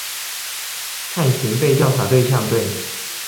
探寻被调查对象对。